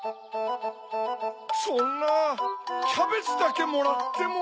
そんなキャベツだけもらっても。